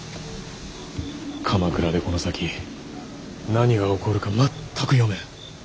鎌倉でこの先何が起こるか全く読めん。